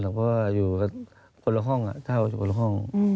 แต่ว่าอยู่คนละห้องเท่าคนละห้อง